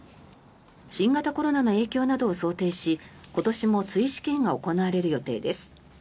新型コロナの影響などを想定し今年も追試験が行われる予定です。